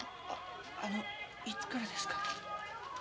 あのいつからですか？